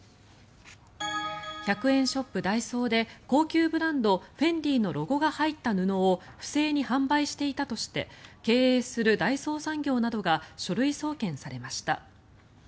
１００円ショップ、ダイソーで高級ブランド、フェンディのロゴが入った布を不正に販売していたとして経営する大創産業などが書類送検されました。